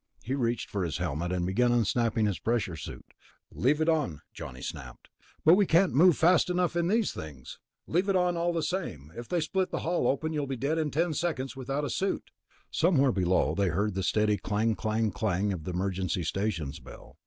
He reached for his helmet, began unsnapping his pressure suit. "Leave it on," Johnny snapped. "But we can't move fast enough in these things...." "Leave it on all the same. If they split the hull open, you'll be dead in ten seconds without a suit." Somewhere below they heard the steady clang clang clang of the emergency station's bell